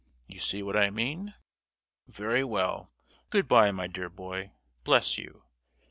You see what I mean? Very well—good bye, my dear boy, bless you!